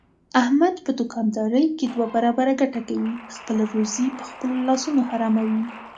احمد په دوکاندارۍ کې دوه برابره ګټه کوي، خپله روزي په خپلو لاسونو حراموي.